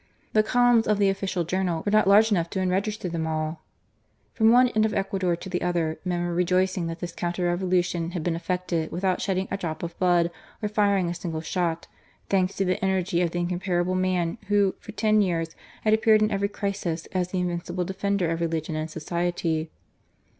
The columns of^ the official journal were not large enough to en register them all ! From one end of Ecuador to the other, men were rejoiced that this counter revolu ' tion had been effected without shedding a drop off blood or firing a single shot, thanks to. the energy of the incomparable man who, for ten years, had appeared in every crisis as the invincible defender of religion and society.